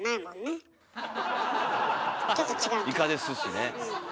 イカですしね。